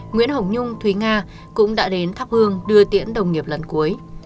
nguyễn hồng nhung thúy nga cũng đã đến thắp hương đưa tiễn đồng nghiệp lần cuối